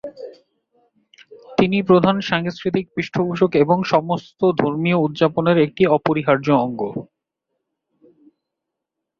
তিনি প্রধান সাংস্কৃতিক পৃষ্ঠপোষক এবং সমস্ত ধর্মীয় উদযাপনের একটি অপরিহার্য অঙ্গ।